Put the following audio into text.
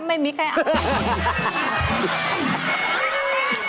ไม่มีใครเอา